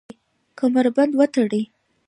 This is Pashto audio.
کمربند وتړئ